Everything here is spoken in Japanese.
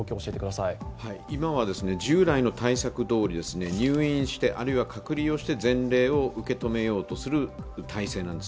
今は従来の対策どおり、入院して、あるいは隔離をして前例を受け止めようという体制です。